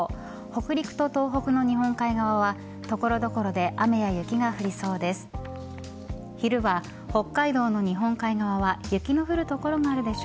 北陸と東北の日本海側は所々で雨や雪が降りそうです。